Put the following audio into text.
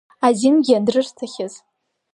Азингьы анрырҭахьаз…